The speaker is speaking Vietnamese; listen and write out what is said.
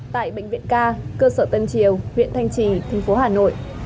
tại bệnh viện ca cơ sở tân triều huyện thanh trì thành phố hà nội